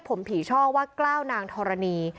วิทยาลัยศาสตรี